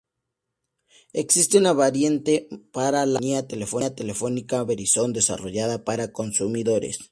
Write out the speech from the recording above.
Existe una variante para la compañía telefónica Verizon desarrollada para consumidores.